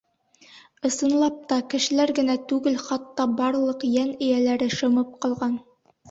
Ысынлап та кешеләр генә түгел, хатта барлыҡ йән эйәләре шымып ҡалған.